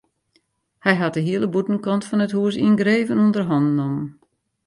Hy hat de hiele bûtenkant fan it hûs yngreven ûnder hannen nommen.